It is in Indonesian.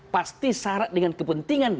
pasti syarat dengan kepentingan